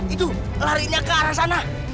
itu larinya ke arah sana